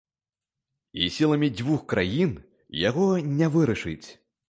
І сіламі дзвюх краін яго не вырашыць.